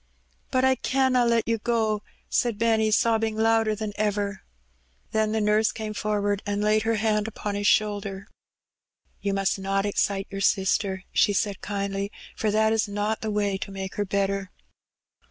"But I canna let you go," said Benny, sobbing louder than ever. Then the nurse came forward, and laid her hand upon his shoulder. "You must not excite your^ sister," she said kindly, '^for that is not the way to make her better."